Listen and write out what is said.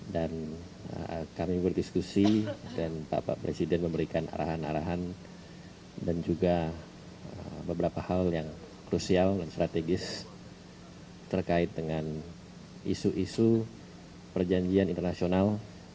dan kami berdiskusi dan bapak presiden memberikan arahan arahan dan juga beberapa hal yang krusial dan strategis terkait dengan isu isu perjanjian internasional